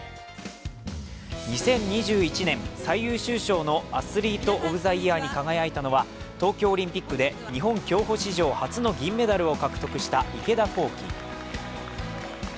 ２０２１年最優秀賞のアスリート・オブ・ザ・イヤーに輝いたのは、東京オリンピックで日本競歩史上初の銀メダルを獲得した競歩の池田向希。